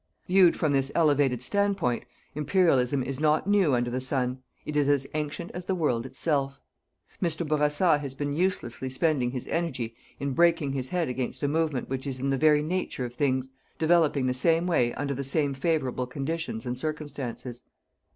Viewed from this elevated standpoint, Imperialism is not new under the sun. It is as ancient as the world itself. Mr. Bourassa has been uselessly spending his energy in breaking his head against a movement which is in the very nature of things, developing the same way under the same favourable conditions and circumstances.